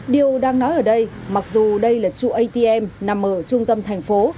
điều đang nói ở đây mặc dù đây là trụ atm nằm ở trung tâm thành phố